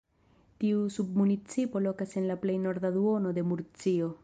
Tiu submunicipo lokas en la plej norda duono de Murcio.